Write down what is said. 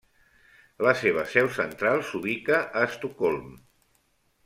La seva seu central s'ubica a Estocolm.